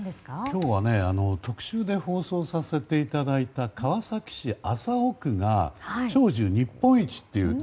今日は特集で放送させていただいた川崎市麻生区が長寿日本一という。